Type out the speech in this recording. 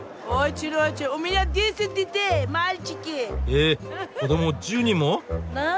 え子ども１０人も！？